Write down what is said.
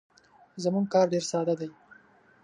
زموږ کار ډیر ساده دی.